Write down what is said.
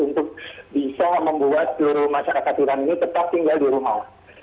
memang pemerintah iran sangat berupaya keras untuk bisa membuat seluruh masyarakat iran ini tetap tinggal di rumah